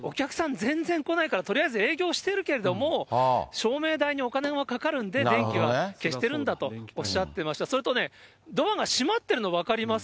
全然来ないから、とりあえず営業しているけれども、照明代にお金がかかるんで、電気は消してるんだとおっしゃってました、それとね、ドアが閉まってるの分かります？